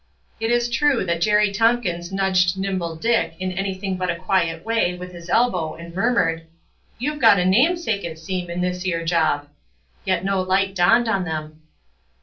It is true that Jerry Tompkins nudged Nimble Dick in anything but a quiet way with his elbow, and murmured, "You've got a namesake it seem, in this 'ere job." Yet no light dawned on them.